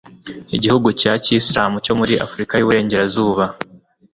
igihugu cya kisilamu cyo muri Afrika yuburengerazuba